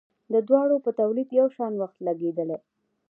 د دواړو په تولید یو شان وخت لګیدلی.